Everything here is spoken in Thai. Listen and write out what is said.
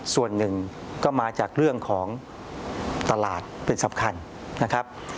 ส่วนหนึ่งก็มาจากเรื่องของตลาดเป็นสำคัญนะครับ